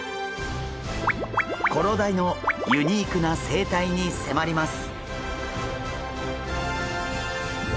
コロダイのユニークな生態に迫ります！